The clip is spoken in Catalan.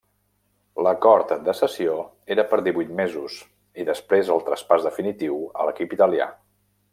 L'acord de cessió era per divuit mesos i després el traspàs definitiu a l'equip italià.